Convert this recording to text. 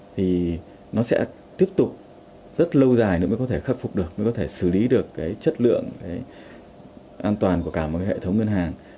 thì nó sẽ tiếp tục rất lâu dài nữa mới có thể khắc phục được mới có thể xử lý được cái chất lượng cái an toàn của cả một cái hệ thống ngân hàng